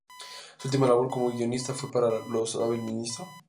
Su última labor como guionista fue para "¿Lo sabe el ministro?